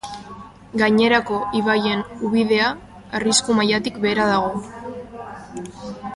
Gainerako ibaien ubidea arrisku mailatik behera dago.